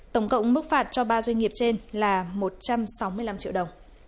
tổng cộng mức phạt cho ba doanh nghiệp trên là một trăm sáu mươi năm triệu đồng